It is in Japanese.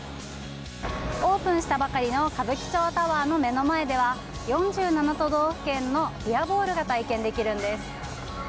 オープンしたばかりの歌舞伎町タワーの目の前では４７都道府県のビアボールが体験できるんです。